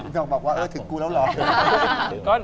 น้องบอกว่าถึงกูแล้วเหรอ